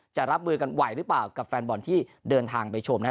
จะรับมือกันไหวหรือเปล่ากับแฟนบอลที่เดินทางไปชม